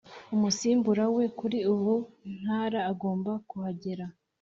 umusimbura we kuri buri ntara agomba kuhagera